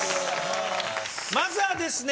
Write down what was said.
まずはですね